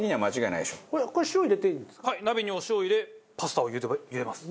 鍋にお塩を入れパスタをゆでます。